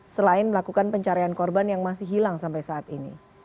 selain melakukan pencarian korban yang masih hilang sampai saat ini